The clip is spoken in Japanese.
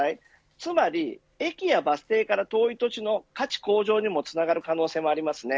つまり、駅やバス停から遠い土地の価値向上にもつながる可能性もありますね。